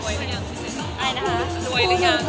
ดวยหรือยัง